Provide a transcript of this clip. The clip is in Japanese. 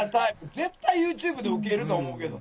絶対ＹｏｕＴｕｂｅでウケると思うけど。